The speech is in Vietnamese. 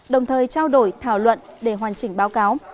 đồng thời trao đổi thảo luận để hoàn chỉnh báo cáo